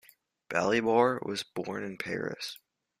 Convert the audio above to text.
Balibar was born in Paris.